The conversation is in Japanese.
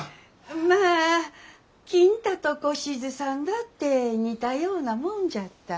まあ金太と小しずさんだって似たようなもんじゃった。